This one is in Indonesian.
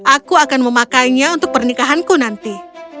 aku akan memakainya untuk pernikahanku nanti